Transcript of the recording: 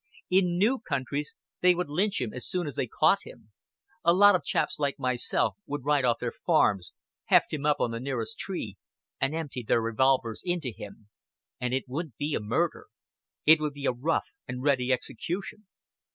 In new countries they would lynch him as soon as they caught him "A lot of chaps like myself would ride off their farms, heft him up on the nearest tree, and empty their revolvers into him. And it wouldn't be a murder: it would be a rough and ready execution.